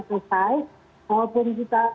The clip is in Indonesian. selesai walaupun kita